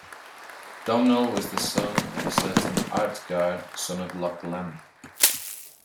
Domnall was the son of a certain Artgar son of Lochlann.